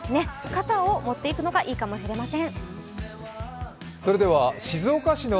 傘を持っていくのがいいかもしれません。